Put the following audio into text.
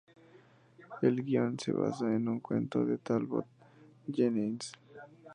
El guion se basa en un cuento de Talbot Jennings.